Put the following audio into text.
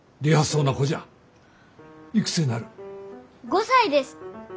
５歳です。